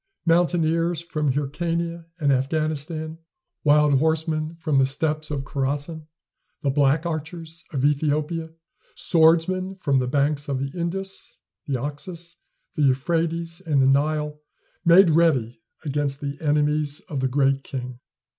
Mountaineers from Hyrcania and Afghanistan, wild horsemen from the steppes of Khorassan, the black archers of Ethiopia, swordsmen from the banks of the Indus, the Oxus, the Euphrates and the Nile, made ready against the enemies of the Great King.